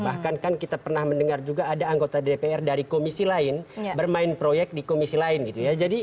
bahkan kan kita pernah mendengar juga ada anggota dpr dari komisi lain bermain proyek di komisi lain gitu ya